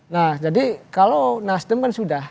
nah jadi kalau nasdem kan sudah